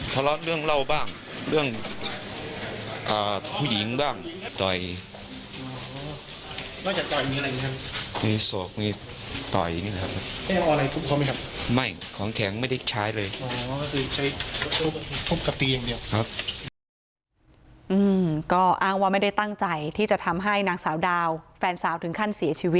พบกับตีอย่างเดียว